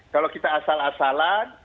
kalau kita asal asalan